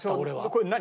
これ何？